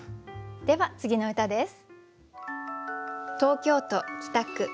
では次の歌です。